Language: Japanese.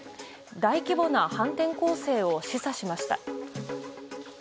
大規模な反転攻勢を示唆しました。